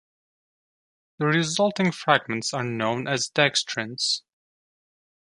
The resulting fragments are known as dextrins.